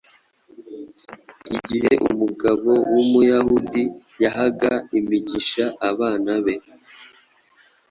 Igihe umugabo w’Umuyahudi yahaga imigisha abana be,